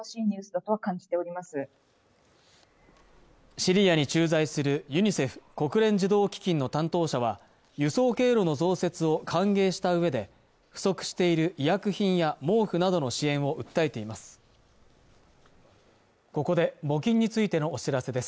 シリアに駐在するユニセフ＝国連児童基金の担当者は輸送経路の増設を歓迎したうえで不足している医薬品や毛布などの支援を訴えています